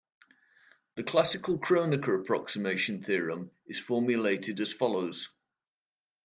The classical Kronecker approximation theorem is formulated as follows.